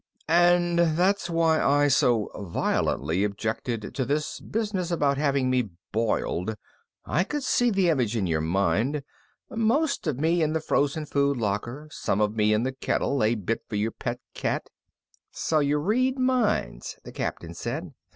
"And that's why I so violently objected to this business about having me boiled. I could see the image in your mind most of me in the frozen food locker, some of me in the kettle, a bit for your pet cat " "So you read minds?" the Captain said.